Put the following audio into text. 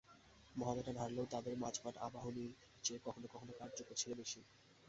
মোহামেডান হারলেও তাদের মাঝমাঠ আবাহনীর চেয়ে কখনো কখনো কার্যকর ছিল বেশি।